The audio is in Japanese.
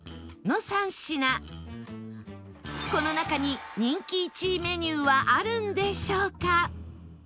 この中に人気１位メニューはあるんでしょうか？